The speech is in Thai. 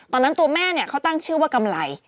ตอนนั้นตัวแม่เขาตั้งชื่อว่ากำไหล่